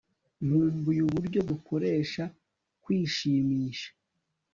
nkumbuye uburyo dukoresha kwishimisha